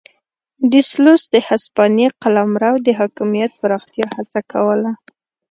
ډي سلوس د هسپانوي قلمرو د حاکمیت پراختیا هڅه کوله.